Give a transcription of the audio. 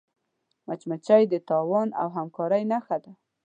مچمچۍ د تعاون او همکاری نښه ده